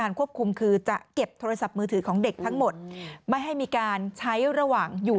ฟังเสียงคุณแม่และก็น้องที่เสียชีวิตค่ะ